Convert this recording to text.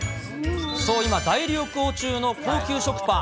そう、今、大流行中の高級食パン。